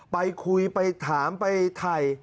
ไปคุยไปถามไปถ่าย